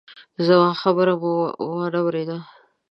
زما خبره مو وانه ورېده!